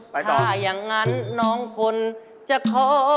ไปต่อถ้ายังงั้นน้องคนจะขอ